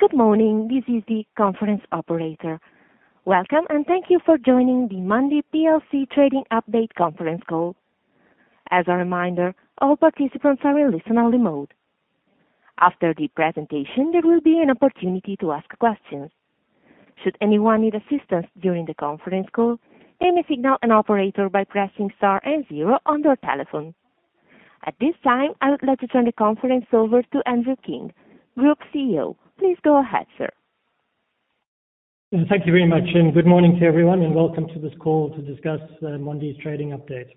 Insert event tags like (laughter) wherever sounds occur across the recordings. Good morning, this is the conference operator. Welcome, and thank you for joining the Mondi plc trading update conference call. As a reminder, all participants are in listen only mode. After the presentation, there will be an opportunity to ask questions. Should anyone need assistance during the conference call, then they signal an operator by pressing star and zero on their telephone. At this time, I would like to turn the conference over to Andrew King, Group CEO. Please go ahead, sir. Thank you very much, and good morning to everyone, and welcome to this call to discuss Mondi's trading update.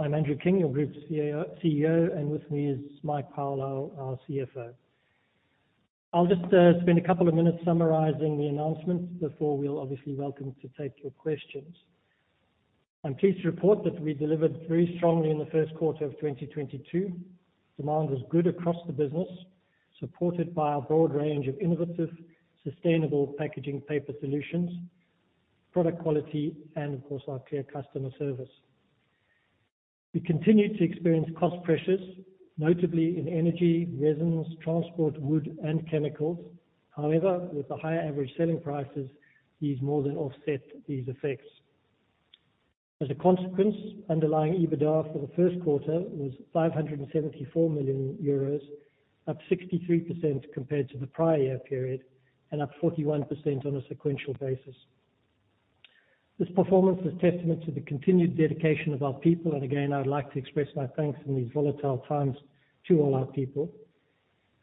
I'm Andrew King, your Group's CEO, and with me is Mike Powell, our CFO. I'll just spend a couple of minutes summarizing the announcements before we'll obviously welcome to take your questions. I'm pleased to report that we delivered very strongly in the first quarter of 2022. Demand was good across the business, supported by our broad range of innovative, sustainable packaging paper solutions, product quality and of course, our clear customer service. We continued to experience cost pressures, notably in energy, resins, transport, wood and chemicals. However, with the higher average selling prices, these more than offset these effects. As a consequence, underlying EBITDA for the first quarter was 574 million euros, up 63% compared to the prior year period, and up 41% on a sequential basis. This performance is testament to the continued dedication of our people, and again, I would like to express my thanks in these volatile times to all our people.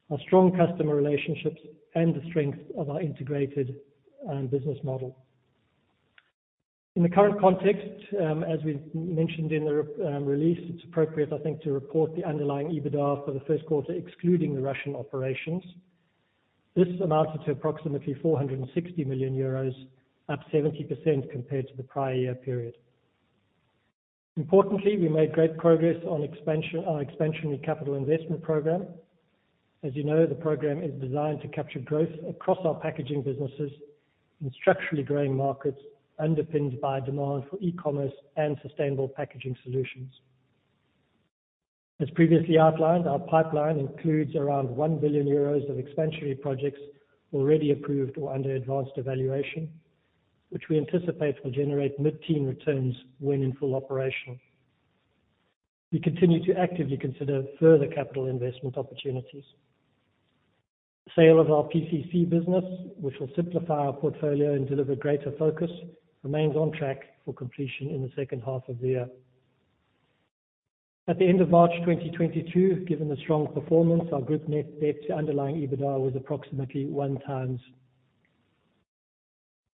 Our strong customer relationships and the strength of our integrated business model. In the current context, as we mentioned in the release, it's appropriate, I think, to report the underlying EBITDA for the first quarter, excluding the Russian operations. This amounted to approximately 460 million euros, up 70% compared to the prior year period. Importantly, we made great progress on our expansion and capital investment program. As you know, the program is designed to capture growth across our packaging businesses in structurally growing markets, underpinned by demand for e-commerce and sustainable packaging solutions. As previously outlined, our pipeline includes around 1 billion euros of expansionary projects already approved or under advanced evaluation, which we anticipate will generate mid-teen returns when in full operation. We continue to actively consider further capital investment opportunities. Sale of our PCC business, which will simplify our portfolio and deliver greater focus, remains on track for completion in the second half of the year. At the end of March 2022, given the strong performance, our group net debt to underlying EBITDA was approximately one times.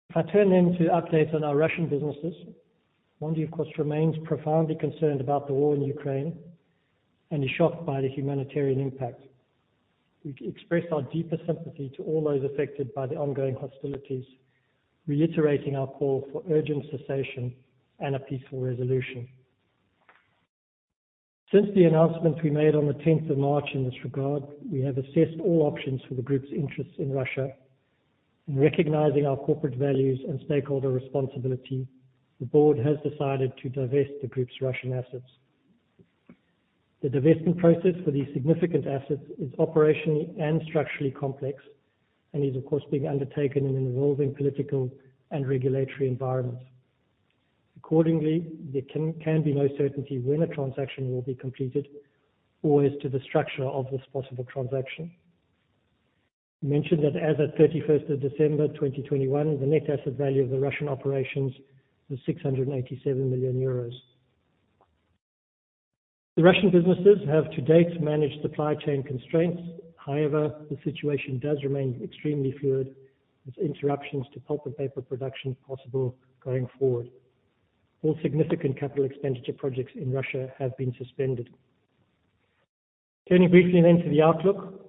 If I turn then to updates on our Russian businesses. Mondi, of course, remains profoundly concerned about the war in Ukraine and is shocked by the humanitarian impact. We express our deepest sympathy to all those affected by the ongoing hostilities, reiterating our call for urgent cessation and a peaceful resolution. Since the announcement we made on the tenth of March in this regard, we have assessed all options for the group's interests in Russia. In recognizing our corporate values and stakeholder responsibility, the board has decided to divest the group's Russian assets. The divestment process for these significant assets is operationally and structurally complex and is of course being undertaken in an evolving political and regulatory environment. Accordingly, there can be no certainty when a transaction will be completed or as to the structure of this possible transaction. As mentioned, as at 31st December 2021, the net asset value of the Russian operations was 687 million euros. The Russian businesses have to date managed supply chain constraints. However, the situation does remain extremely fluid, with interruptions to pulp and paper production possible going forward. All significant capital expenditure projects in Russia have been suspended. Turning briefly then to the outlook.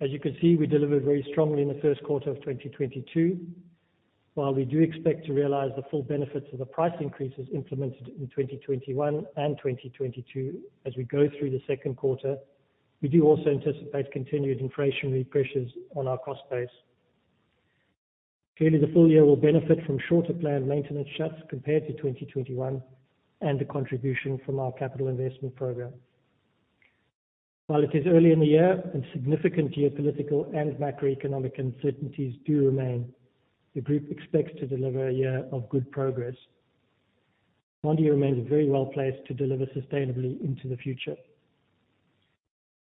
As you can see, we delivered very strongly in the first quarter of 2022. While we do expect to realize the full benefits of the price increases implemented in 2021 and 2022 as we go through the second quarter, we do also anticipate continued inflationary pressures on our cost base. Clearly, the full year will benefit from shorter planned maintenance shuts compared to 2021 and the contribution from our capital investment program. While it is early in the year and significant geopolitical and macroeconomic uncertainties do remain, the group expects to deliver a year of good progress. Mondi remains very well placed to deliver sustainably into the future.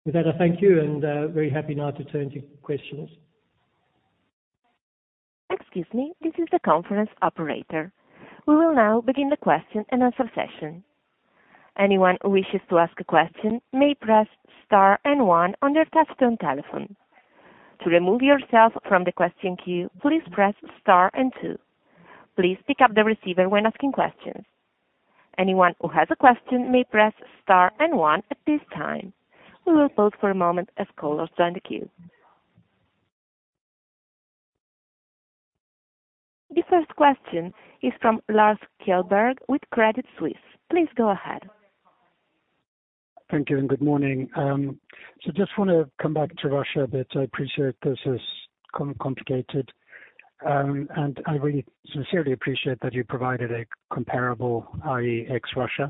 With that, I thank you and very happy now to turn to questions. Excuse me, this is the conference operator. We will now begin the Q&A session. Anyone who wishes to ask a question may press star and one on their touchtone telephone. To remove yourself from the question queue, please press star and two. Please pick up the receiver when asking questions. Anyone who has a question may press star and one at this time. We will pause for a moment as callers join the queue. The first question is from Lars Kjellberg with Credit Suisse. Please go ahead. Thank you and good morning. Just wanna come back to Russia a bit. I appreciate this is complicated. I really sincerely appreciate that you provided a comparable, i.e. ex Russia.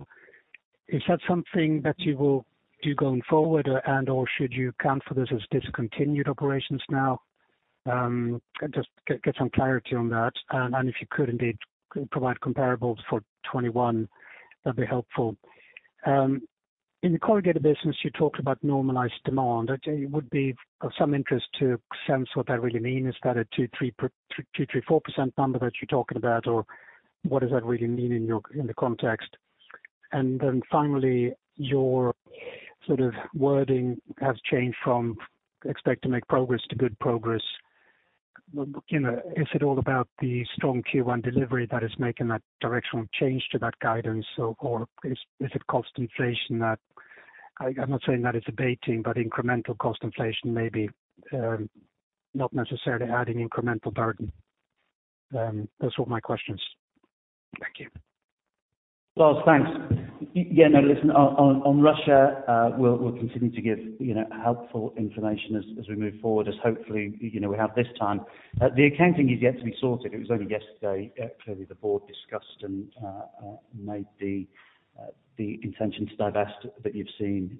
Is that something that you will do going forward and or should you account for this as discontinued operations now? Just get some clarity on that. If you could indeed provide comparables for 2021, that'd be helpful. In the corrugated business, you talked about normalized demand. It would be of some interest to see what that really means. Is that a 2%, 3%, 4% number that you're talking about? Or what does that really mean in the context? Then finally, your sort of wording has changed from expect to make progress to good progress. You know, is it all about the strong Q1 delivery that is making that directional change to that guidance? Or is it cost inflation that I'm not saying that it's abating, but incremental cost inflation may be not necessarily adding incremental burden. Those are my questions. Thank you. Lars, thanks. Yeah, no, listen, on Russia, we'll continue to give, you know, helpful information as we move forward as hopefully, you know, we have this time. The accounting is yet to be sorted. It was only yesterday, clearly the board discussed and made the intention to divest that you've seen,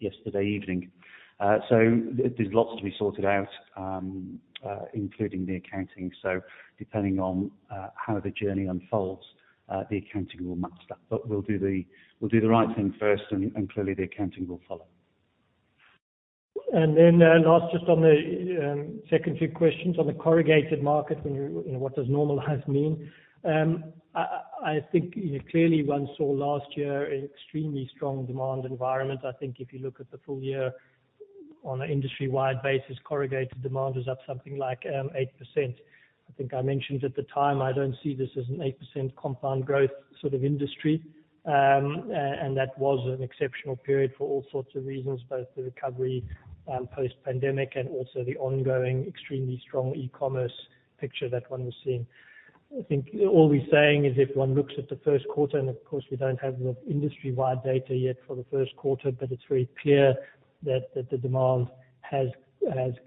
yesterday evening. There's lots to be sorted out, including the accounting. Depending on how the journey unfolds, the accounting will match that. We'll do the right thing first and clearly the accounting will follow. Then, last just on the second few questions on the corrugated market when you. What does normalized mean? I think, you know, clearly one saw last year an extremely strong demand environment. I think if you look at the full year on an industry-wide basis, corrugated demand is up something like 8%. I think I mentioned at the time, I don't see this as an 8% compound growth sort of industry. That was an exceptional period for all sorts of reasons, both the recovery post-pandemic and also the ongoing extremely strong e-commerce picture that one was seeing. I think all we're saying is if one looks at the first quarter, and of course we don't have the industry-wide data yet for the first quarter, but it's very clear that the demand has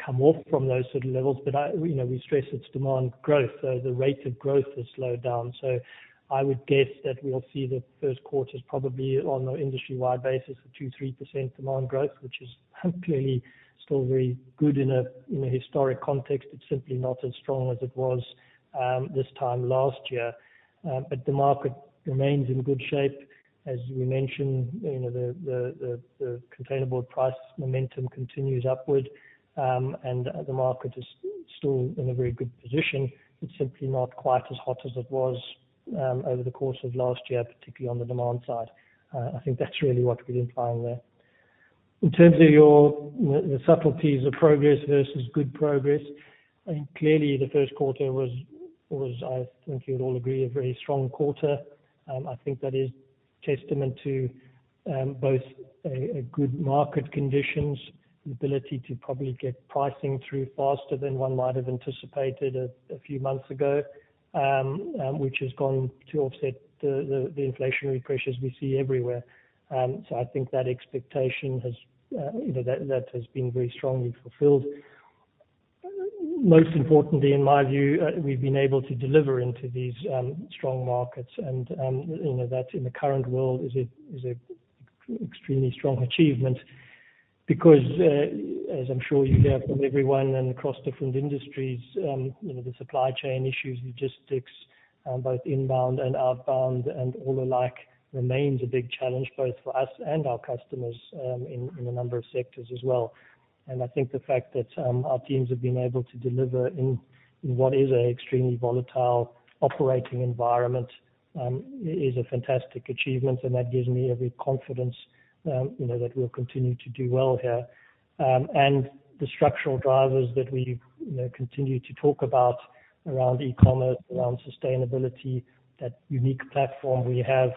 come off from those sort of levels. I, you know, we stress it's demand growth. The rate of growth has slowed down. I would guess that we'll see the first quarter is probably on an industry-wide basis of 2%-3% demand growth, which is hopefully still very good in a historic context. It's simply not as strong as it was this time last year. The market remains in good shape. As we mentioned, you know, the containerboard price momentum continues upward, and the market is still in a very good position. It's simply not quite as hot as it was over the course of last year, particularly on the demand side. I think that's really what we're implying there. In terms of the subtleties of progress versus good progress, I think clearly the first quarter was I think you'll all agree, a very strong quarter. I think that is testament to both good market conditions, the ability to probably get pricing through faster than one might have anticipated a few months ago, which has gone to offset the inflationary pressures we see everywhere. I think that expectation has, you know, that has been very strongly fulfilled. Most importantly, in my view, we've been able to deliver into these strong markets and, you know, that in the current world is an extremely strong achievement because, as I'm sure you hear from everyone and across different industries, you know, the supply chain issues, logistics, both inbound and outbound and all the like remains a big challenge both for us and our customers, in a number of sectors as well. I think the fact that our teams have been able to deliver in what is an extremely volatile operating environment is a fantastic achievement, and that gives me every confidence, you know, that we'll continue to do well here. The structural drivers that we, you know, continue to talk about around e-commerce, around sustainability, that unique platform we have,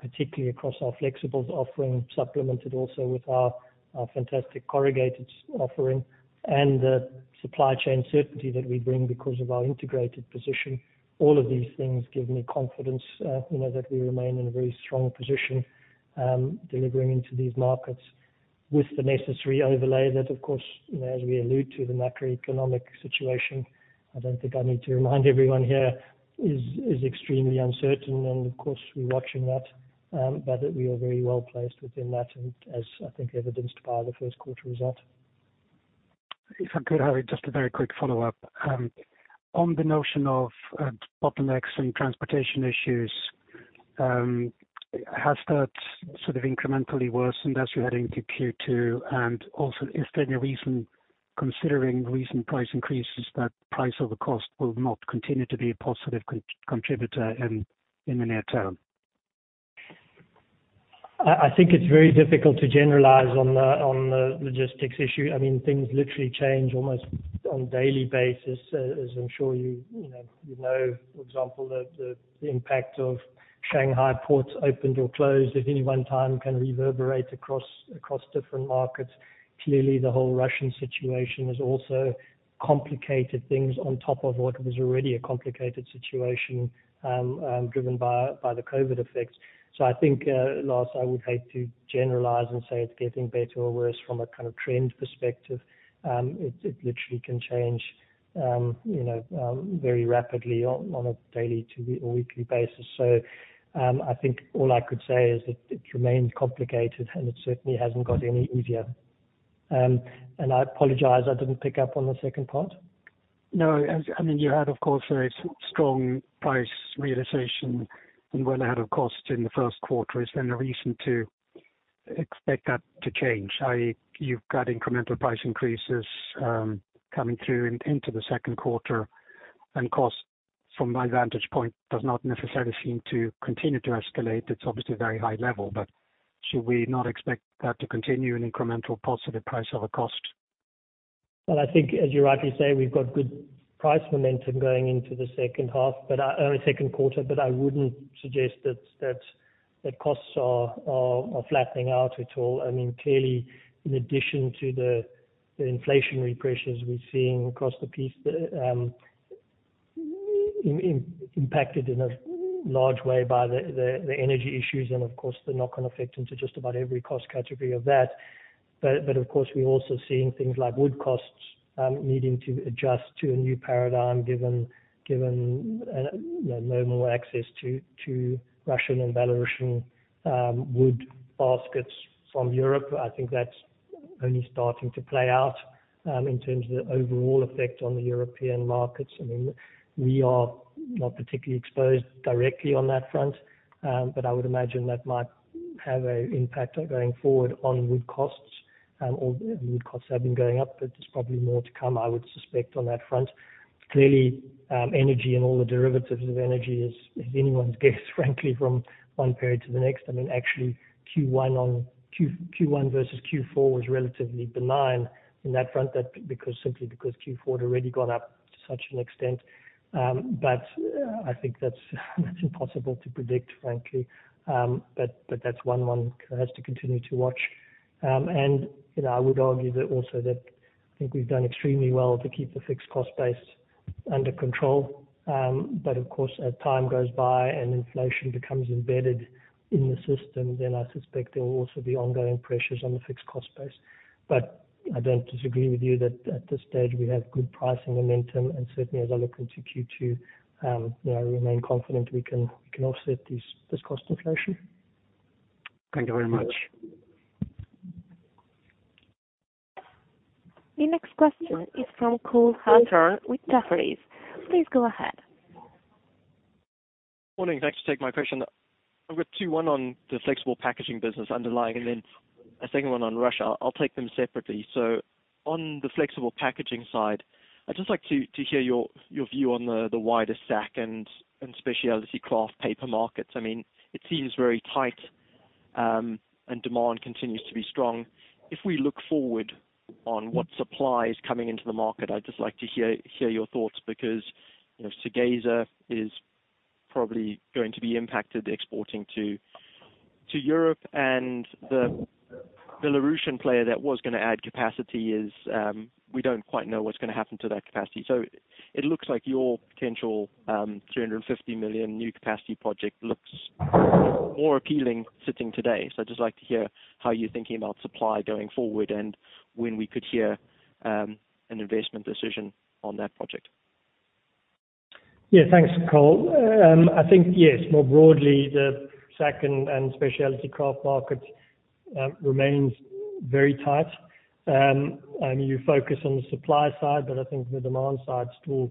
particularly across our flexibles offering, supplemented also with our fantastic corrugated offering and the supply chain certainty that we bring because of our integrated position. All of these things give me confidence, you know, that we remain in a very strong position, delivering into these markets with the necessary overlay that of course, you know, as we allude to the macroeconomic situation, I don't think I need to remind everyone here, is extremely uncertain and of course we're watching that, but we are very well placed within that and as I think evidenced by the first quarter result. If I could, Andrew King, just a very quick follow-up. On the notion of bottlenecks and transportation issues, has that sort of incrementally worsened as you're heading to Q2? Also is there any reason, considering recent price increases, that price over cost will not continue to be a positive contributor in the near term? I think it's very difficult to generalize on the logistics issue. I mean, things literally change almost on daily basis, as I'm sure you know, for example, the impact of Shanghai ports opened or closed at any one time can reverberate across different markets. Clearly, the whole Russian situation has also complicated things on top of what was already a complicated situation, driven by the COVID effects. I think, Lars, I would hate to generalize and say it's getting better or worse from a kind of trend perspective. It literally can change, you know, very rapidly on a daily to weekly basis. I think all I could say is it remains complicated and it certainly hasn't got any easier. I apologize, I didn't pick up on the second part. No. I mean, you had, of course, a strong price realization and well ahead of costs in the first quarter. Is there any reason to expect that to change? You've got incremental price increases coming through into the second quarter and costs from my vantage point does not necessarily seem to continue to escalate. It's obviously a very high level, but should we not expect that to continue an incremental positive price over cost? Well, I think as you rightly say, we've got good price momentum going into the second quarter, but I wouldn't suggest that costs are flattening out at all. I mean, clearly in addition to the inflationary pressures we're seeing across the board, we're impacted in a large way by the energy issues and of course the knock-on effect into just about every cost category of that. But of course, we're also seeing things like wood costs needing to adjust to a new paradigm given no normal access to Russian and Belarusian wood baskets from Europe. I think that's only starting to play out. In terms of the overall effect on the European markets, I mean, we are not particularly exposed directly on that front. I would imagine that might have an impact going forward on wood costs. All the wood costs have been going up, but there's probably more to come, I would suspect on that front. Clearly, energy and all the derivatives of energy is anyone's guess, frankly, from one period to the next. I mean, actually Q1 versus Q4 was relatively benign on that front. That's simply because Q4 had already gone up to such an extent. But I think that's impossible to predict, frankly. But that's one one has to continue to watch. You know, I would argue that also I think we've done extremely well to keep the fixed cost base under control. Of course as time goes by and inflation becomes embedded in the system, then I suspect there will also be ongoing pressures on the fixed cost base. I don't disagree with you that at this stage we have good pricing momentum and certainly as I look into Q2, you know, I remain confident we can offset this cost inflation. Thank you very much. The next question is from Cole Hathorn with Jefferies. Please go ahead. Morning. Thanks. Take my question. I've got two, one on the flexible packaging business underlying, and then a second one on Russia. I'll take them separately. On the flexible packaging side, I'd just like to hear your view on the wider sack and specialty kraft paper markets. I mean, it seems very tight, and demand continues to be strong. If we look forward on what supply is coming into the market, I'd just like to hear your thoughts because, you know, Segezha is probably going to be impacted exporting to Europe and the Belarusian player that was gonna add capacity is, we don't quite know what's gonna happen to that capacity. It looks like your potential 350 million new capacity project looks more appealing sitting today. I'd just like to hear how you're thinking about supply going forward and when we could hear an investment decision on that project? Yeah, thanks, Cole. I think, yes, more broadly the sack and specialty kraft market remains very tight. I mean, you focus on the supply side, but I think the demand side still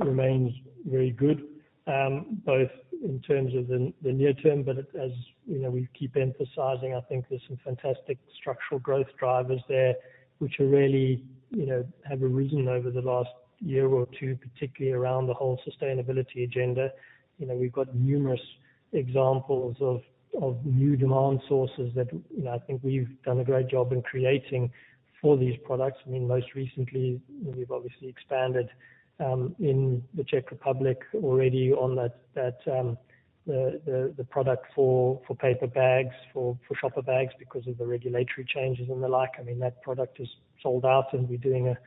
remains very good, both in terms of the near term, but as you know, we keep emphasizing, I think there's some fantastic structural growth drivers there which are really, you know, have arisen over the last year or two, particularly around the whole sustainability agenda. You know, we've got numerous examples of new demand sources that, you know, I think we've done a great job in creating for these products. I mean, most recently, we've obviously expanded in the Czech Republic already on that product for paper bags for shopper bags because of the regulatory changes and the like. I mean, that product is sold out and we're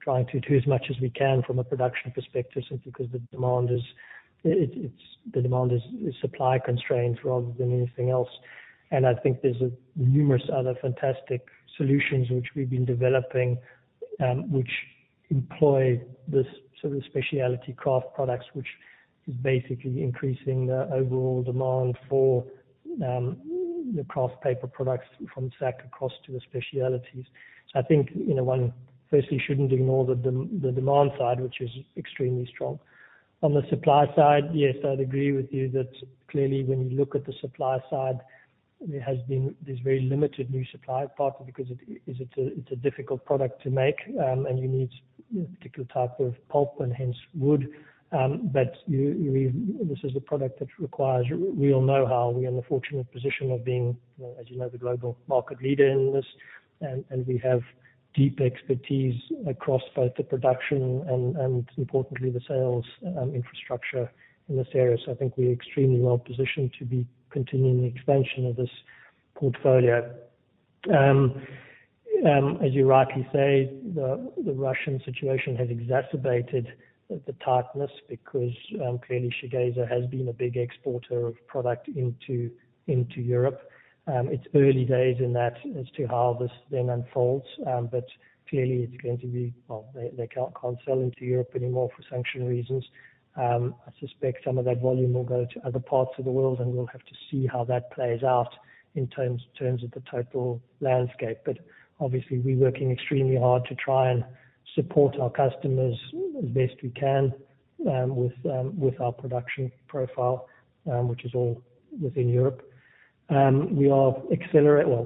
trying to do as much as we can from a production perspective simply because the demand is supply constrained rather than anything else. I think there's numerous other fantastic solutions which we've been developing, which employ this sort of specialty kraft products, which is basically increasing the overall demand for the kraft paper products from sack across to the specialties. I think, you know, one firstly shouldn't ignore the demand side, which is extremely strong. On the supply side, yes, I'd agree with you that clearly when you look at the supply side, there has been this very limited new supply, partly because it's a difficult product to make, and you need a particular type of pulp and hence wood. This is a product that requires real know-how. We are in the fortunate position of being, you know, as you know, the global market leader in this and we have deep expertise across both the production and importantly the sales infrastructure in this area. So I think we are extremely well positioned to be continuing the expansion of this portfolio. As you rightly say, the Russian situation has exacerbated the tightness because clearly Segezha has been a big exporter of product into Europe. It's early days in that as to how this then unfolds. Clearly it's going to be. Well, they can't sell into Europe anymore for sanctions reasons. I suspect some of that volume will go to other parts of the world, and we'll have to see how that plays out in terms of the total landscape. Obviously we're working extremely hard to try and support our customers as best we can, with our production profile, which is all within Europe. We're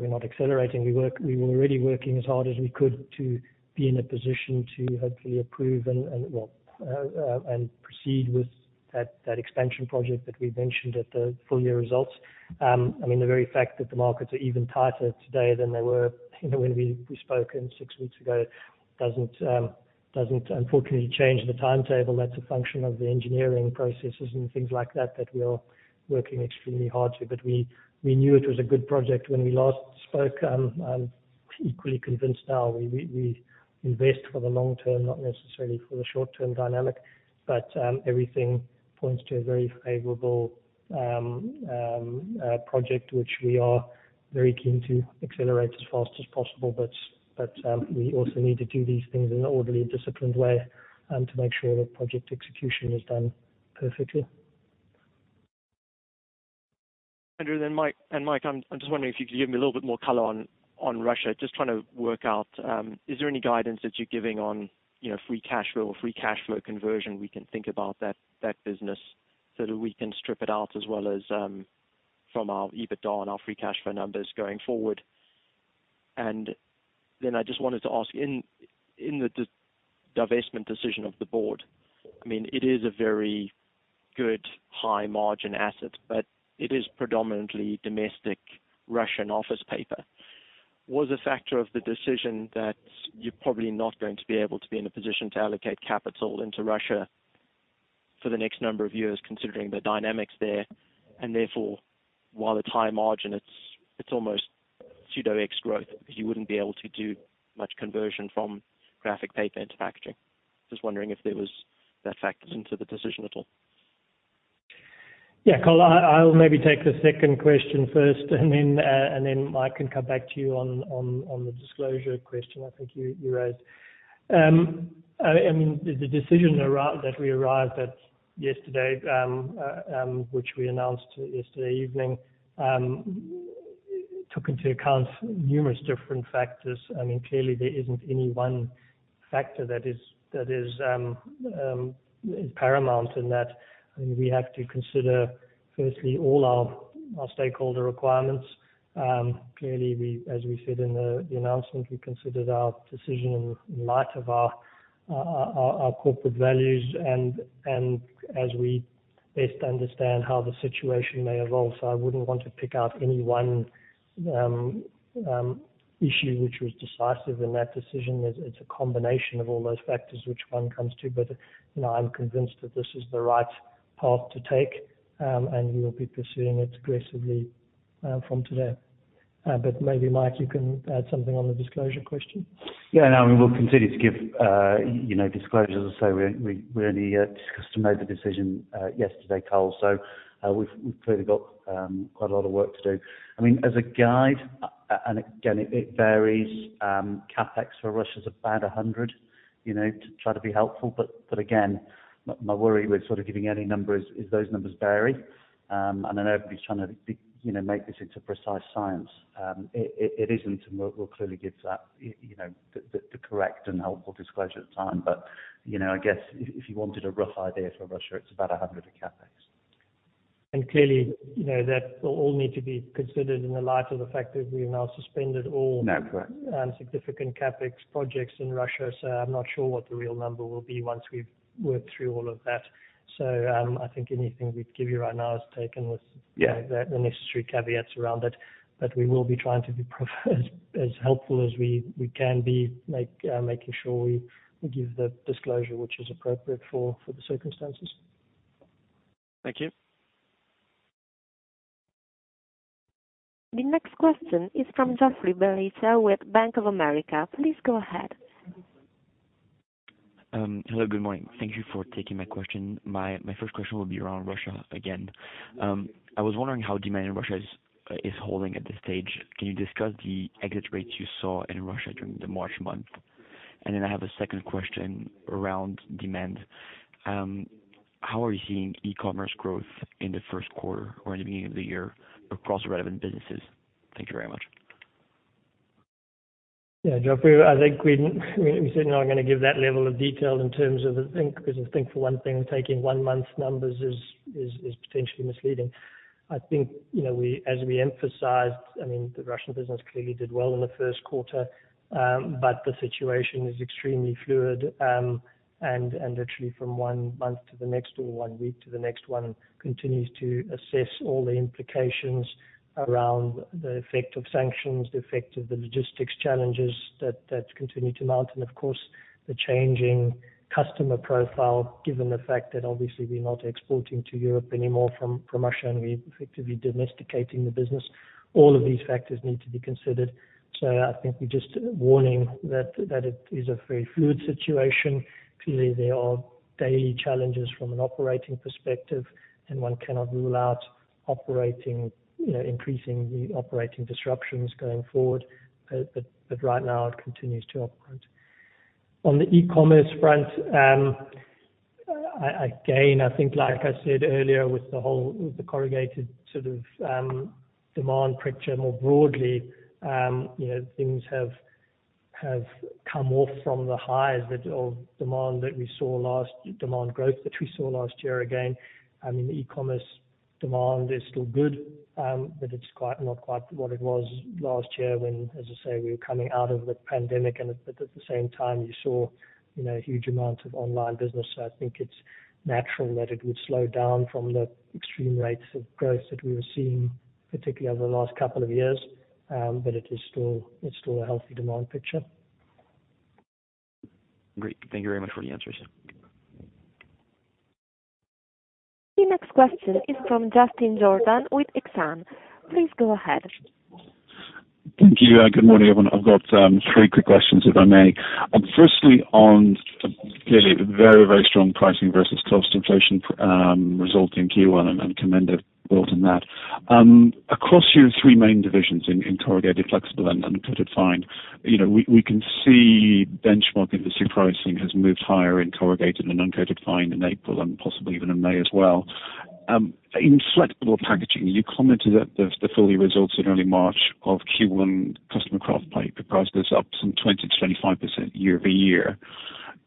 not accelerating. We were already working as hard as we could to be in a position to hopefully approve and proceed with that expansion project that we mentioned at the full year results. I mean, the very fact that the markets are even tighter today than they were, you know, when we spoke six weeks ago doesn't unfortunately change the timetable. That's a function of the engineering processes and things like that we are working extremely hard to. We knew it was a good project when we last spoke, equally convinced now we invest for the long term, not necessarily for the short term dynamic. Everything points to a very favorable project, which we are very keen to accelerate as fast as possible. We also need to do these things in an orderly and disciplined way, to make sure that project execution is done perfectly. Andrew, then Mike. Mike, I'm just wondering if you could give me a little bit more color on Russia. Just trying to work out, is there any guidance that you're giving on, you know, free cash flow, free cash flow conversion we can think about that business so that we can strip it out as well as from our EBITDA and our free cash flow numbers going forward? Then I just wanted to ask, in the divestment decision of the board, I mean, it is a very good high margin asset, but it is predominantly domestic Russian office paper. Was a factor in the decision that you're probably not going to be able to be in a position to allocate capital into Russia for the next number of years, considering the dynamics there, and therefore, while it's high margin, it's almost pseudo CapEx growth because you wouldn't be able to do much conversion from graphic paper into packaging. Just wondering if there was that factor in the decision at all. Yeah. Cole, I'll maybe take the second question first, and then Mike can come back to you on the disclosure question I think you raised. I mean, the decision that we arrived at yesterday, which we announced yesterday evening, took into account numerous different factors. I mean, clearly there isn't any one factor that is paramount in that. I mean, we have to consider, firstly, all our stakeholder requirements. Clearly, we, as we said in the announcement, we considered our decision in light of our corporate values and as we best understand how the situation may evolve. I wouldn't want to pick out any one issue which was decisive in that decision. It's a combination of all those factors which one comes to. You know, I'm convinced that this is the right path to take, and we will be pursuing it aggressively from today. Maybe, Mike, you can add something on the disclosure question. Yeah. No, we will continue to give, you know, disclosures. We only just made the decision yesterday, Cole, so we've clearly got quite a lot of work to do. I mean, as a guide, and again, it varies. CapEx for Russia is about 100, you know, to try to be helpful. Again, my worry with sort of giving any numbers is those numbers vary. I know everybody's trying to be, you know, make this into precise science. It isn't, and we'll clearly give that, you know, the correct and helpful disclosure at the time. You know, I guess if you wanted a rough idea for Russia, it's about 100 in CapEx. Clearly, you know, that will all need to be considered in the light of the fact that we have now suspended all. No, correct. significant CapEx projects in Russia. I'm not sure what the real number will be once we've worked through all of that. I think anything we'd give you right now is taken with Yeah. the necessary caveats around it. We will be trying to be as helpful as we can be, making sure we give the disclosure which is appropriate for the circumstances. Thank you. The next question is from Joffrey Bellicha with Bank of America. Please go ahead. Hello. Good morning. Thank you for taking my question. My first question will be around Russia again. I was wondering how demand in Russia is holding at this stage. Can you discuss the exit rates you saw in Russia during the March month? I have a second question around demand. How are you seeing e-commerce growth in the first quarter or in the beginning of the year across relevant businesses? Thank you very much. Yeah. Joffrey, I think we certainly are not gonna give that level of detail in terms of, I think, 'cause I think for one thing, taking one month's numbers is potentially misleading. I think, you know, as we emphasized, I mean, the Russian business clearly did well in the first quarter. The situation is extremely fluid. Literally from one month to the next or one week to the next one continues to assess all the implications around the effect of sanctions, the effect of the logistics challenges that continue to mount. Of course, the changing customer profile, given the fact that obviously we're not exporting to Europe anymore from Russia and we're effectively domesticating the business. All of these factors need to be considered. I think we're just warning that it is a very fluid situation. Clearly, there are daily challenges from an operating perspective, and one cannot rule out operating, you know, increasing the operating disruptions going forward. But right now it continues to operate. On the e-commerce front, again, I think like I said earlier with the corrugated sort of demand picture more broadly, you know, things have come off from the highs of demand growth that we saw last year again. I mean, the e-commerce demand is still good, but it's not quite what it was last year when, as I say, we were coming out of the pandemic but at the same time, you saw, you know, huge amounts of online business. I think it's natural that it would slow down from the extreme rates of growth that we were seeing, particularly over the last couple of years. It is still a healthy demand picture. Great. Thank you very much for the answers. The next question is from Justin Jordan with Exane. Please go ahead. Thank you. Good morning, everyone. I've got three quick questions, if I may. Firstly on clearly the very, very strong pricing versus cost inflation result in Q1 and commented built on that. Across your three main divisions in corrugated, flexible and uncoated fine, you know, we can see benchmark industry pricing has moved higher in corrugated and uncoated fine in April and possibly even in May as well. In flexible packaging, you commented at the full year results in early March of Q1 customer kraft paper prices up some 20%-25% year-over-year.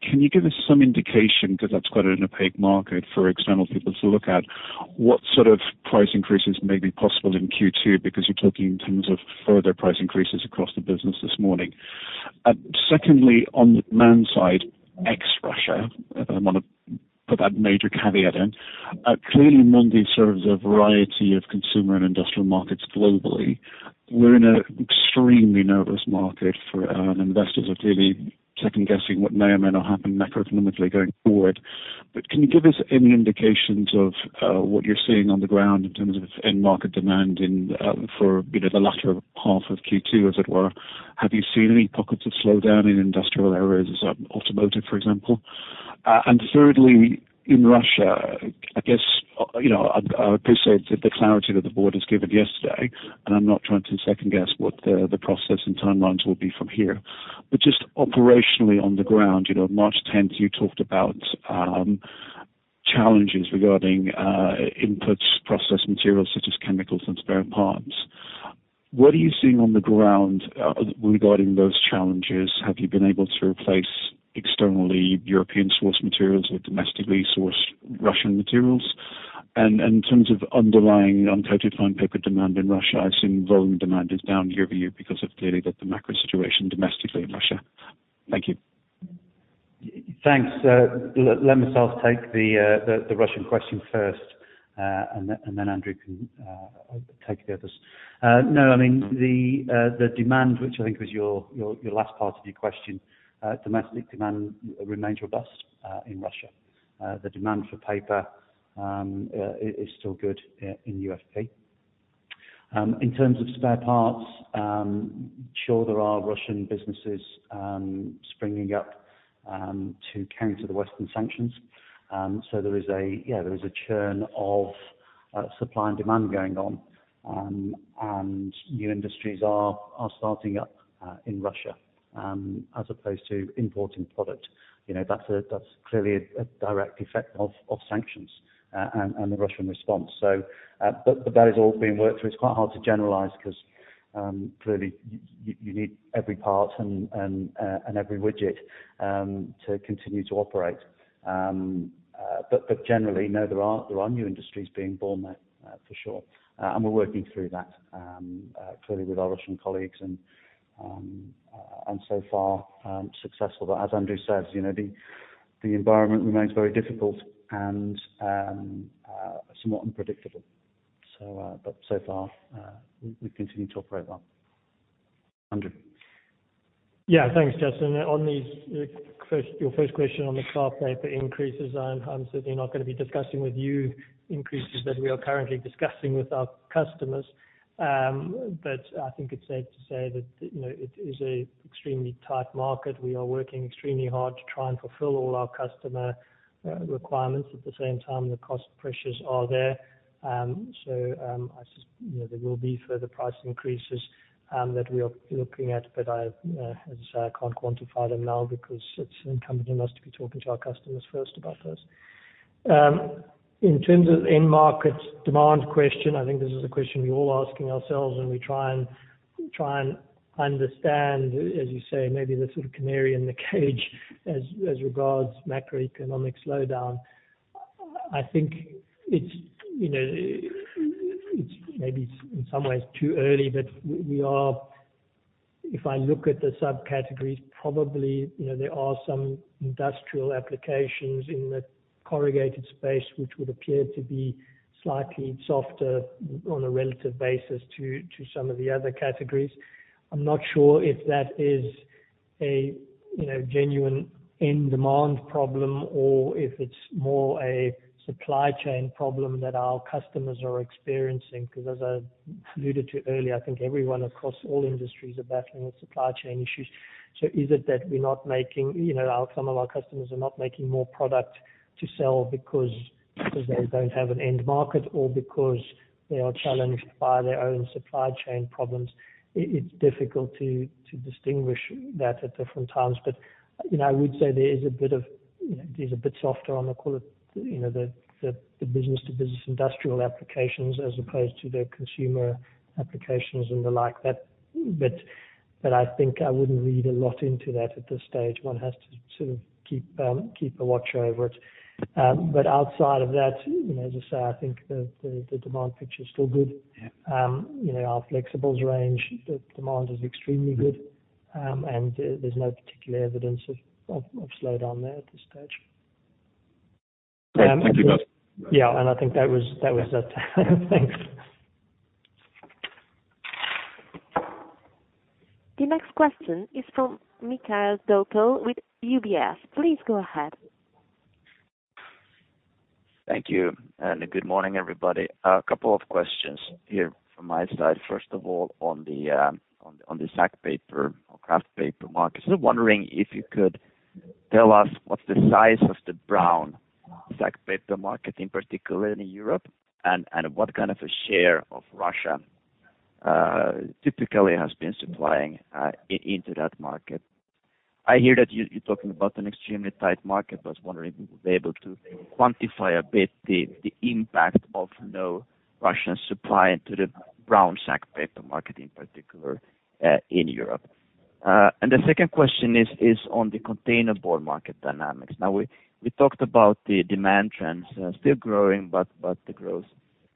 Can you give us some indication, because that's quite an opaque market for external people to look at, what sort of price increases may be possible in Q2? Because you're talking in terms of further price increases across the business this morning. Secondly, on the demand side, ex Russia, I wanna put that major caveat in. Clearly Mondi serves a variety of consumer and industrial markets globally. We're in an extremely nervous market, for investors are clearly second-guessing what may or may not happen macroeconomically going forward. Can you give us any indications of what you're seeing on the ground in terms of end market demand for, you know, the latter half of Q2, as it were? Have you seen any pockets of slowdown in industrial areas such as automotive, for example? Thirdly, in Russia, I guess, you know, I appreciate the clarity that the board has given yesterday, and I'm not trying to second-guess what the process and timelines will be from here. Just operationally on the ground, you know, March tenth you talked about, challenges regarding, inputs, process materials such as chemicals and spare parts. What are you seeing on the ground, regarding those challenges? Have you been able to replace externally European source materials with domestically sourced Russian materials? And in terms of underlying uncoated fine paper demand in Russia, I assume volume demand is down year-over-year because of clearly the macro situation domestically in Russia. Thank you. Thanks. Let myself take the Russian question first, and then Andrew can take the others. No, I mean, the demand, which I think was your last part of your question, domestic demand remains robust in Russia. The demand for paper is still good in UFP. In terms of spare parts, sure, there are Russian businesses springing up to counter the Western sanctions. There is a churn of supply and demand going on. New industries are starting up in Russia as opposed to importing product. You know, that's clearly a direct effect of sanctions and the Russian response. That is all being worked through. It's quite hard to generalize because clearly you need every part and every widget to continue to operate. Generally, no, there are new industries being born there, for sure. We're working through that clearly with our Russian colleagues and so far successful. As Andrew says, you know, the environment remains very difficult and somewhat unpredictable. So far, we continue to operate well. Andrew. Yeah. Thanks, Justin. On your first question on the kraft paper increases, I'm certainly not gonna be discussing with you increases that we are currently discussing with our customers. I think it's safe to say that, you know, it is an extremely tight market. We are working extremely hard to try and fulfill all our customer requirements. At the same time, the cost pressures are there. You know, there will be further price increases that we are looking at, but as I say, I can't quantify them now because it's incumbent on us to be talking to our customers first about those. In terms of end market demand question, I think this is a question we're all asking ourselves and we try and understand, as you say, maybe the sort of canary in the cage as regards macroeconomic slowdown. I think it's, you know, it's maybe in some ways too early, but we are, if I look at the subcategories, probably, you know, there are some industrial applications in the corrugated space which would appear to be slightly softer on a relative basis to some of the other categories. I'm not sure if that is a, you know, genuine end demand problem or if it's more a supply chain problem that our customers are experiencing. Because as I alluded to earlier, I think everyone across all industries are battling with supply chain issues. Is it that we're not making, you know, some of our customers are not making more product to sell because they don't have an end market or because they are challenged by their own supply chain problems? It's difficult to distinguish that at different times. You know, I would say there is a bit of, you know, there's a bit softer on the call it, you know, the business to business industrial applications as opposed to the consumer applications and the like that. I think I wouldn't read a lot into that at this stage. One has to sort of keep a watch over it. outside of that, you know, as I say, I think the demand picture is still good. Yeah. You know, our flexibles range, the demand is extremely good. There's no particular evidence of slowdown there at this stage. (crosstalk) Yeah. I think that was that. Thanks. The next question is from [Michael] with UBS. Please go ahead. Thank you, and good morning, everybody. A couple of questions here from my side. First of all, on the sack paper or kraft paper market. Wondering if you could tell us what's the size of the brown sack paper market, in particular in Europe? What kind of a share of Russia typically has been supplying into that market? I hear that you're talking about an extremely tight market. I was wondering if you would be able to quantify a bit the impact of no Russian supply into the brown sack paper market, in particular in Europe. The second question is on the containerboard market dynamics. Now, we talked about the demand trends, still growing, but the growth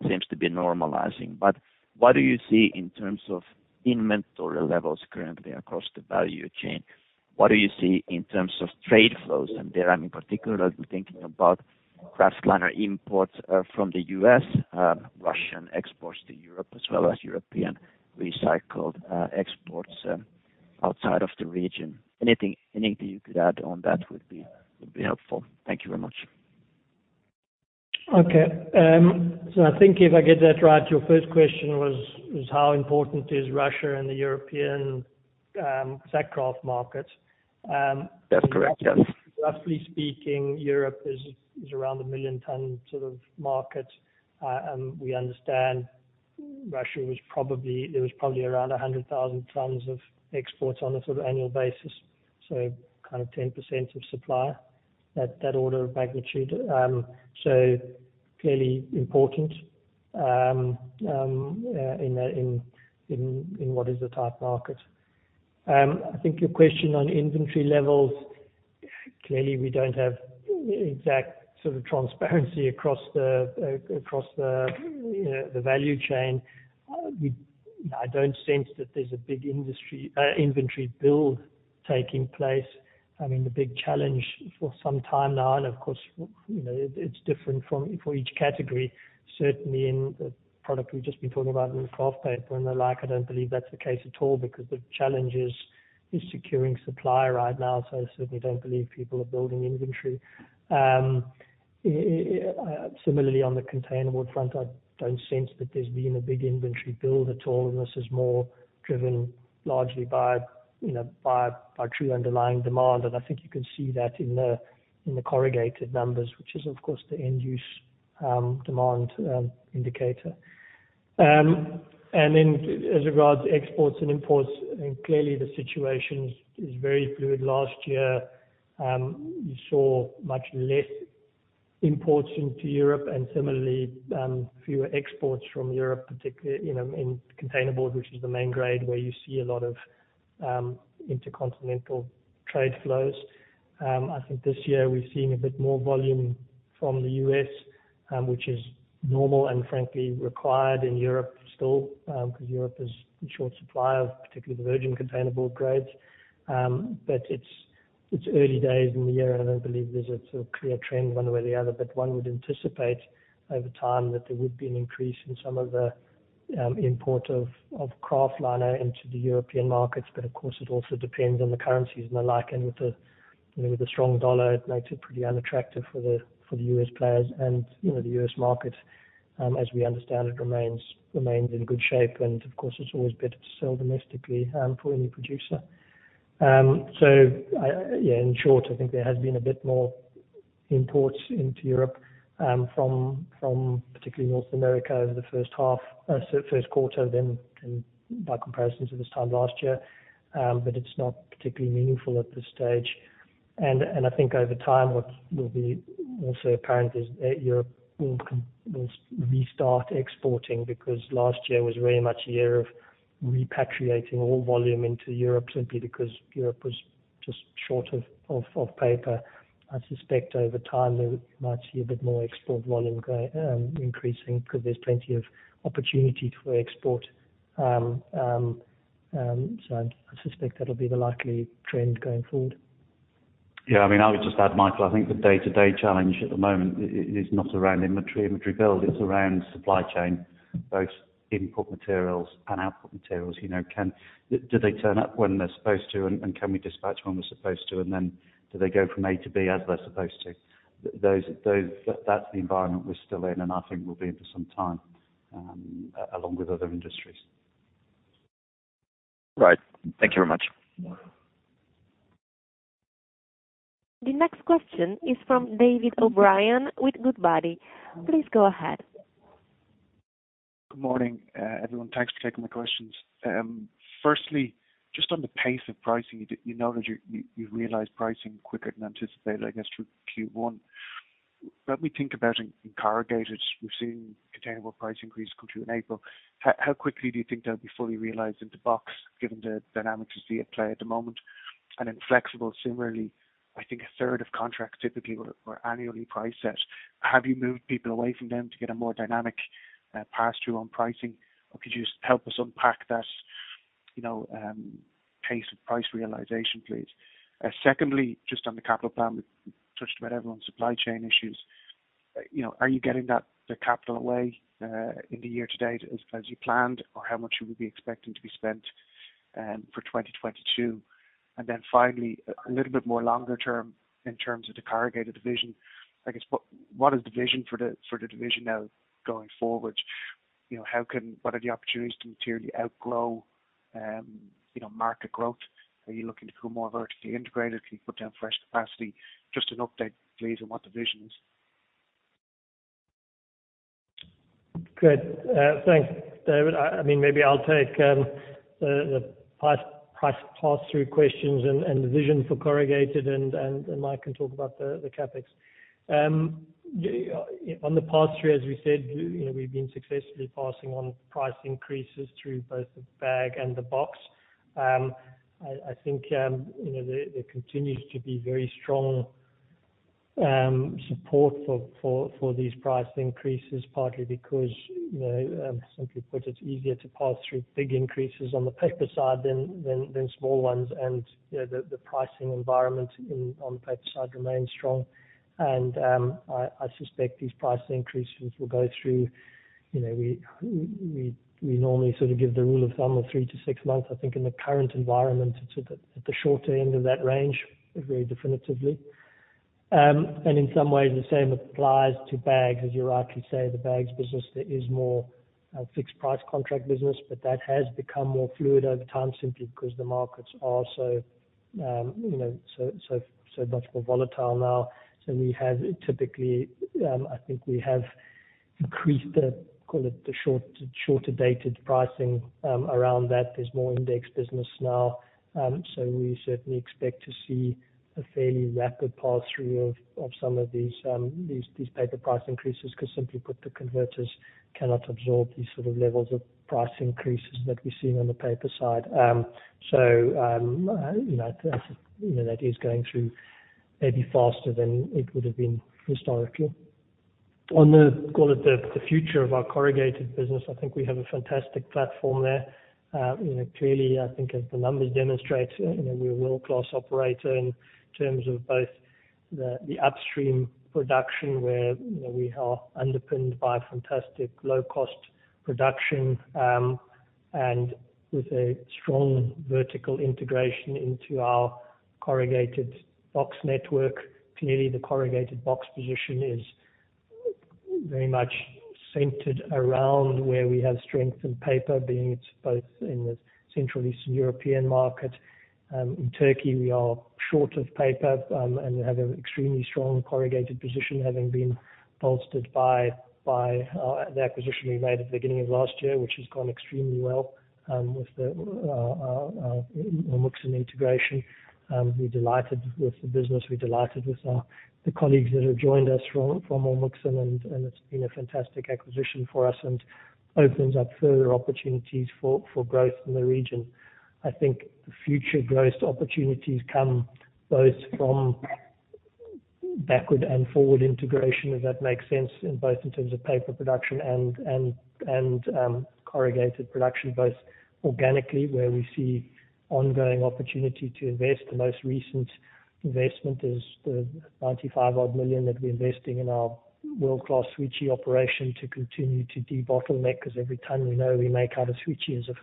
seems to be normalizing. What do you see in terms of inventory levels currently across the value chain? What do you see in terms of trade flows? There, I'm in particular thinking about kraftliner imports from the U.S., Russian exports to Europe, as well as European recycled exports outside of the region. Anything you could add on that would be helpful. Thank you very much. I think if I get that right, your first question was how important is Russia and the European sack kraft market? That's correct. Yes. Roughly speaking, Europe is around 1 million-ton sort of market. We understand there was probably around 100,000 tons of exports on a sort of annual basis, so kind of 10% of supply, that order of magnitude. Clearly important in what is a tight market. I think your question on inventory levels, clearly we don't have exact sort of transparency across the value chain. I don't sense that there's a big industry inventory build taking place. I mean, the big challenge for some time now, and of course, you know, it's different from, for each category, certainly in the product we've just been talking about in the kraft paper and the like, I don't believe that's the case at all because the challenge is securing supply right now. I certainly don't believe people are building inventory. Similarly on the containerboard front, I don't sense that there's been a big inventory build at all, and this is more driven largely by, you know, by true underlying demand. I think you can see that in the corrugated numbers, which is of course the end use demand indicator. Then as regards exports and imports, I think clearly the situation is very fluid. Last year, you saw much less imports into Europe and similarly, fewer exports from Europe, particularly, you know, in containerboard, which is the main grade where you see a lot of intercontinental trade flows. I think this year we've seen a bit more volume from the U.S., which is normal and frankly required in Europe still, 'cause Europe is in short supply of particularly the virgin containerboard grades. It's early days in the year, and I don't believe there's a sort of clear trend one way or the other. One would anticipate over time that there would be an increase in some of the import of kraftliner into the European markets. Of course, it also depends on the currencies and the like. With the strong dollar, it makes it pretty unattractive for the U.S. players. The U.S. market, as we understand it, remains in good shape. Of course, it's always better to sell domestically for any producer. In short, I think there has been a bit more imports into Europe from particularly North America over the first half, so first quarter then, than by comparison to this time last year. It's not particularly meaningful at this stage. I think over time what will be also apparent is Europe will restart exporting because last year was very much a year of repatriating all volume into Europe simply because Europe was just short of paper. I suspect over time we might see a bit more export volume go increasing 'cause there's plenty of opportunity for export. I suspect that'll be the likely trend going forward. Yeah. I mean, I would just add, [Mike], I think the day-to-day challenge at the moment is not around inventory build, it's around supply chain, both input materials and output materials. You know, do they turn up when they're supposed to, and can we dispatch when we're supposed to? Do they go from A to B as they're supposed to? That's the environment we're still in, and I think we'll be in for some time, along with other industries. Right. Thank you very much. The next question is from David O'Brien with Goodbody. Please go ahead. Good morning, everyone. Thanks for taking my questions. Firstly, just on the pace of pricing, you know that you realized pricing quicker than anticipated, I guess, through Q1. When we think about in corrugated, we've seen containerboard price increase come through in April. How quickly do you think they'll be fully realized into box given the dynamics you see at play at the moment? And in flexible similarly, I think a third of contracts typically were annually price set. Have you moved people away from them to get a more dynamic, pass-through on pricing? Or could you just help us unpack that, you know, pace of price realization, please? Secondly, just on the capital plan, we touched about everyone's supply chain issues. You know, are you getting the CapEx in the year to date as you planned, or how much would you be expecting to be spent for 2022? Finally, a little bit more longer term in terms of the Corrugated division, I guess what is the vision for the division now going forward? You know, what are the opportunities to materially outgrow, you know, market growth? Are you looking to become more vertically integrated? Can you put down fresh capacity? Just an update please on what the vision is. Good. Thanks, David. I mean, maybe I'll take the price pass-through questions and the vision for corrugated, and Mike can talk about the CapEx. On the pass-through, as we said, you know, we've been successfully passing on price increases through both the bag and the box. I think you know there continues to be very strong support for these price increases, partly because you know simply put it's easier to pass through big increases on the paper side than small ones. You know the pricing environment on the paper side remains strong. I suspect these price increases will go through. You know we normally sort of give the rule of thumb of three to six months. I think in the current environment, it's at the shorter end of that range, very definitively. In some ways, the same applies to bags. As you rightly say, the bags business, there is more fixed price contract business, but that has become more fluid over time simply because the markets are so, you know, so much more volatile now. We have typically, I think we have increased the, call it the shorter dated pricing, around that. There's more index business now. We certainly expect to see a fairly rapid pass-through of some of these paper price increases, because simply put, the converters cannot absorb these sort of levels of price increases that we're seeing on the paper side. You know, that is going through maybe faster than it would have been historically. On the future of our corrugated business, I think we have a fantastic platform there. You know, clearly, I think as the numbers demonstrate, you know, we're a world-class operator in terms of both the upstream production where, you know, we are underpinned by fantastic low cost production, and with a strong vertical integration into our corrugated box network. Clearly, the corrugated box position is very much centered around where we have strength in paper, being it's both in the Central Eastern European market. In Turkey, we are short of paper, and have an extremely strong corrugated position, having been bolstered by the acquisition we made at the beginning of last year, which has gone extremely well, with the Olmuksan integration. We're delighted with the business. We're delighted with the colleagues that have joined us from Olmuksan, and it's been a fantastic acquisition for us and opens up further opportunities for growth in the region. I think the future growth opportunities come both from backward and forward integration, if that makes sense, in terms of paper production and corrugated production, both organically where we see ongoing opportunity to invest. The most recent investment is the 95-odd million that we're investing in our world-class Świecie operation to continue to debottleneck, because every ton we know we make out of Świecie is a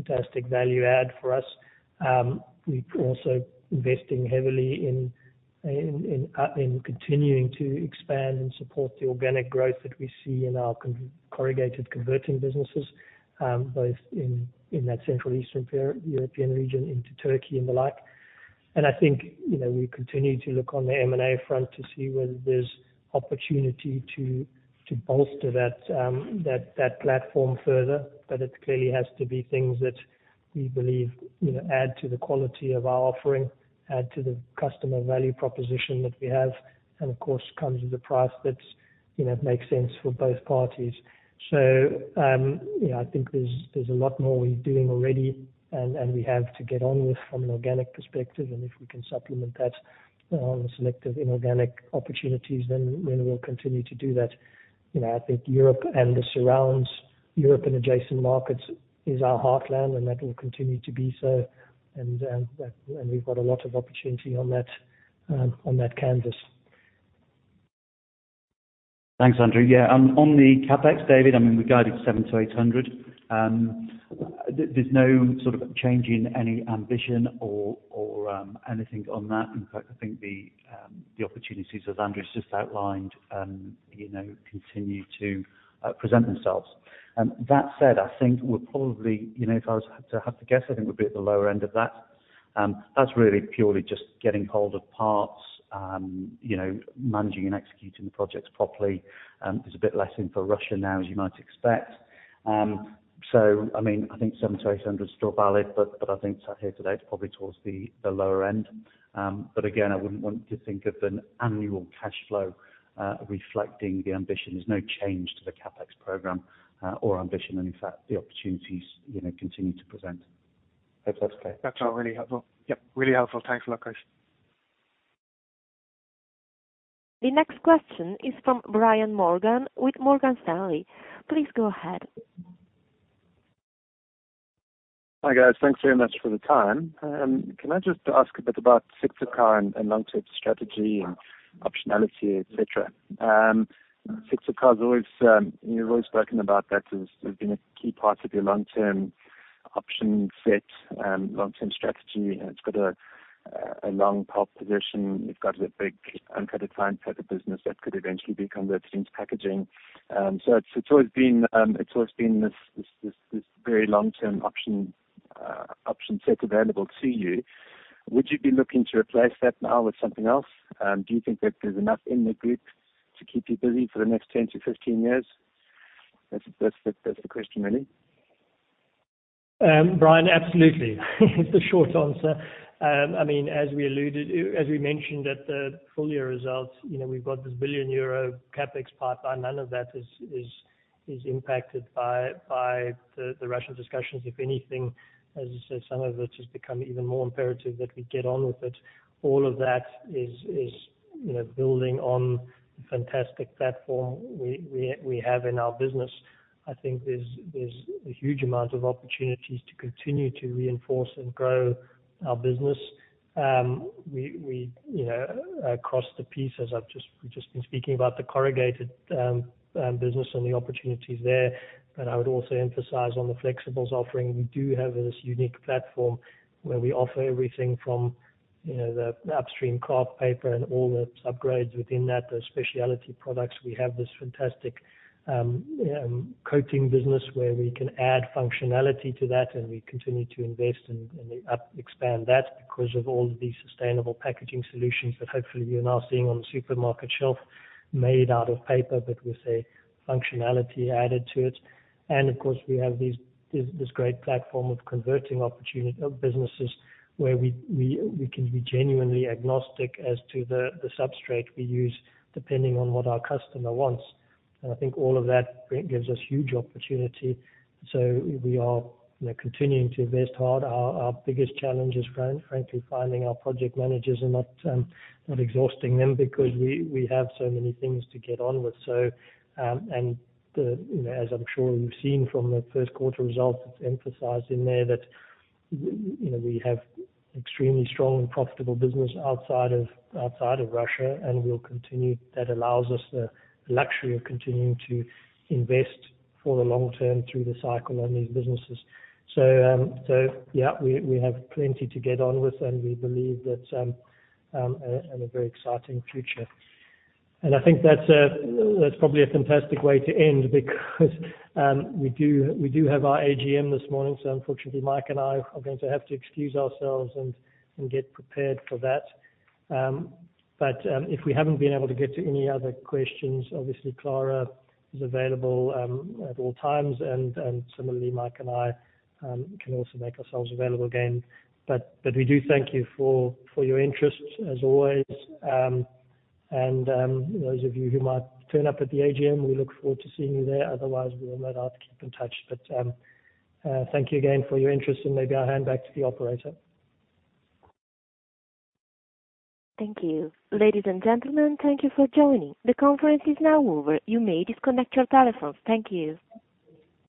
fantastic value add for us. We're also investing heavily in continuing to expand and support the organic growth that we see in our corrugated converting businesses, both in that Central Eastern European region into Turkey and the like. I think, you know, we continue to look on the M&A front to see whether there's opportunity to bolster that platform further. It clearly has to be things that we believe, you know, add to the quality of our offering, add to the customer value proposition that we have, and of course, comes with a price that, you know, makes sense for both parties. You know, I think there's a lot more we're doing already and we have to get on with from an organic perspective. If we can supplement that on selective inorganic opportunities, then we'll continue to do that. You know, I think Europe and the surrounds, Europe and adjacent markets is our heartland, and that will continue to be so. We've got a lot of opportunity on that canvas. Thanks, Andrew. Yeah, on the CapEx, David, I mean, we guided 700-800. There's no sort of change in any ambition or anything on that. In fact, I think the opportunities, as Andrew's just outlined, you know, continue to present themselves. That said, I think we're probably, you know, if I was to have to guess, I think we'll be at the lower end of that. That's really purely just getting hold of parts, you know, managing and executing the projects properly. There's a bit less in for Russia now, as you might expect. I mean, I think 700-800 is still valid, but I think here today it's probably towards the lower end. But again, I wouldn't want to think of an annual cash flow reflecting the ambition. There's no change to the CapEx program or ambition. In fact, the opportunities, you know, continue to present. Hope that's okay. That's all really helpful. Yep, really helpful. Thanks a lot, Andrew King. The next question is from Brian Morgan with Morgan Stanley. Please go ahead. Hi, guys. Thanks very much for the time. Can I just ask a bit about Syktyvkar and long-term strategy and optionality, etc? Syktyvkar's always, you've always spoken about that as being a key part of your long-term option set and long-term strategy, and it's got a long pulp position. You've got a big uncoated fine type of business that could eventually be converted into packaging. It's always been this very long-term option set available to you. Would you be looking to replace that now with something else? Do you think that there's enough in the group to keep you busy for the next 10-15 years? That's the question really. Brian, absolutely. It's the short answer. I mean, as we alluded, as we mentioned at the full year results, you know, we've got this 1 billion euro CapEx pipeline. None of that is impacted by the Russian discussions. If anything, as you said, some of it has become even more imperative that we get on with it. All of that is, you know, building on the fantastic platform we have in our business. I think there's a huge amount of opportunities to continue to reinforce and grow our business. We, you know, across the pieces, we've just been speaking about the corrugated business and the opportunities there, but I would also emphasize on the flexibles offering. We do have this unique platform where we offer everything from, you know, the upstream kraft paper and all the upgrades within that, the specialty products. We have this fantastic coating business where we can add functionality to that, and we continue to invest and expand that because of all the sustainable packaging solutions that hopefully you're now seeing on the supermarket shelf made out of paper, but with a functionality added to it. Of course, we have this great platform of converting opportunity of businesses where we can be genuinely agnostic as to the substrate we use depending on what our customer wants. I think all of that gives us huge opportunity, so we are, you know, continuing to invest hard. Our biggest challenge is frankly finding our project managers and not exhausting them because we have so many things to get on with. You know, as I'm sure you've seen from the first quarter results, it's emphasized in there that you know we have extremely strong and profitable business outside of Russia, and we'll continue. That allows us the luxury of continuing to invest for the long term through the cycle on these businesses. Yeah, we have plenty to get on with, and we believe that a very exciting future. I think that's probably a fantastic way to end because we do have our AGM this morning, so unfortunately Mike and I are going to have to excuse ourselves and get prepared for that. If we haven't been able to get to any other questions, obviously Clara is available at all times, and similarly Mike and I can also make ourselves available again. We do thank you for your interest as always. Those of you who might turn up at the AGM, we look forward to seeing you there. Otherwise, we will no doubt keep in touch. Thank you again for your interest, and maybe I'll hand back to the operator. Thank you. Ladies and gentlemen, thank you for joining. The conference is now over. You may disconnect your telephones. Thank you.